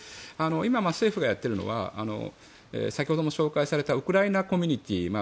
今、政府がやっているのは先ほども紹介されたウクライナコミュニティー